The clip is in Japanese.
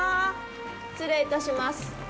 失礼いたします。